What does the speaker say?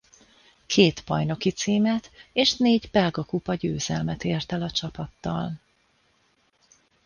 Két bajnoki címet és négy belga kupa győzelmet ért el a csapattal.